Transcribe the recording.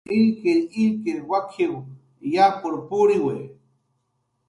"Illkirillkir wak""iw yapur puriwi"